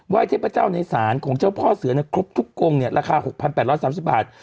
เทพเจ้าในศาลของเจ้าพ่อเสือครบทุกกงเนี่ยราคา๖๘๓๐บาท